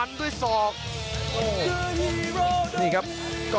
โอ้โหโอ้โห